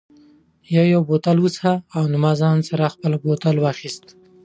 یو یو بوتل و څښه، ما له ځان سره خپل بوتل واخیست.